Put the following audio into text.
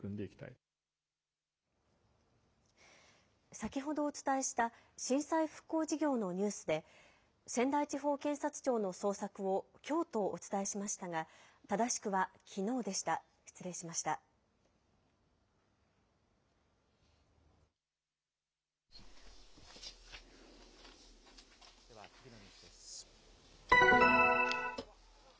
先ほどお伝えした、震災復興事業のニュースで、仙台地方検察庁の捜索をきょうとお伝えしましたが、正しくはきのうでした。